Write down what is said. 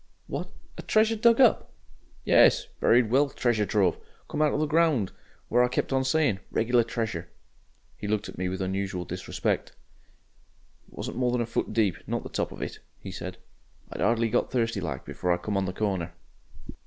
"What! a treasure dug up?" "Yes buried wealth treasure trove. Come out of the ground. What I kept on saying regular treasure...." He looked at me with unusual disrespect. "It wasn't more than a foot deep, not the top of it," he said. "I'd 'ardly got thirsty like, before I come on the corner."